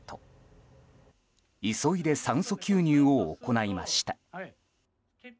急いで酸素吸入を行いました。